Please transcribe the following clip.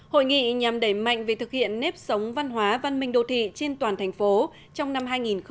hội nghị nhằm đẩy mạnh về thực hiện nếp sống văn hóa văn minh đô thị trên toàn thành phố trong năm hai nghìn một mươi tám